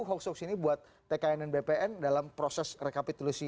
hoax hoax ini buat tkn dan bpn dalam proses rekapitulasi